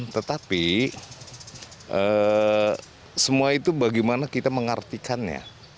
tetapi semua itu bagaimana kita mengartikannya